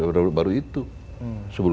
sebelum itu tidak pernah terjadi